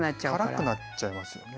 辛くなっちゃいますよね。